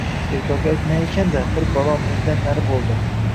bekorga aytmagan ekan-da, bir balo mendan nari bo`ldi